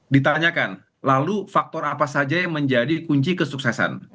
ditanyakan lalu faktor apa saja yang menjadi kunci kesuksesan